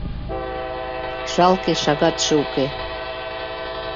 Жалке, шагатше уке.